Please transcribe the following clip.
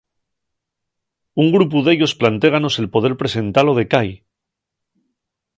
Un grupu d'ellos plantéganos el poder presentalo de cai.